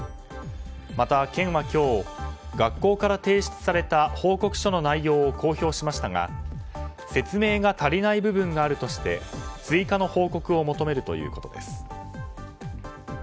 また県は今日学校から提出された報告書の内容を公表しましたが説明が足りない部分があるとして追加の報告を求めるということです。